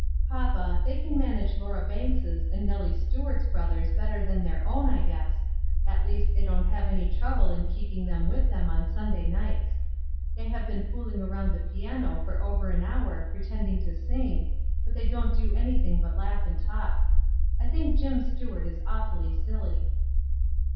"Papa, they can manage Laura Banks's and NeUie Stuart's brothers better than their own, I guess. At least, they don't have any trouble MODELS 107 in keeping them with them on Sunday nights. They have been fooling around the piano for over an hour, pretending to sing, but they don't do anything but laugh and talk. I think Jim Stuart is awfully silly."